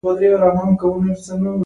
سریلانکا زموږ له دښمنه فاینل وګاټه.